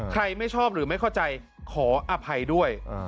ไม่ชอบหรือไม่เข้าใจขออภัยด้วย